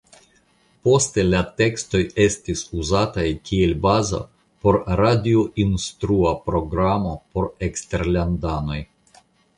Poste la tekstoj estis uzataj kiel bazo por radioinstrua programo por eksterlandanoj.